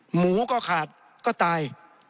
หมูก็ขาดก็ตาย